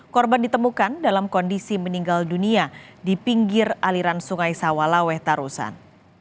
korban ditemukan dalam kondisi meninggal dunia di pinggir aliran sungai sawalaweh tarusan